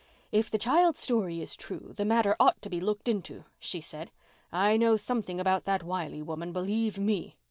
"If the child's story is true the matter ought to be looked into," she said. "I know something about that Wiley woman, believe me.